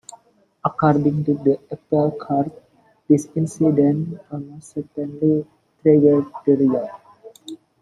According to the appeal court, this incident almost certainly triggered the riot.